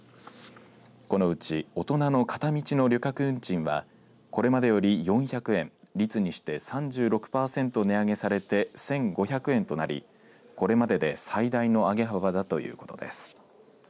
このうち大人の片道の旅客運賃はこれまでより４００円、率にして３６％値上げされて１５００円となり、これまでで最大の上げ幅だということです。